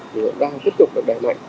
thì cũng đang tiếp tục được đẩy mạnh